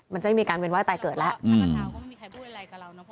มันจะไม่มีการเป็นว่าแต่เกิดแล้ว